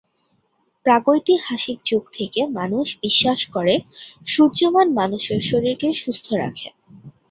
প্রাগৈতিহাসিক যুগ থেকে মানুষ বিশ্বাস করে, সূর্যমান মানুষের শরীরকে সুস্থ্য রাখে।